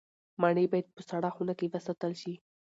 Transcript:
مڼې باید په سړه خونه کې وساتل شي.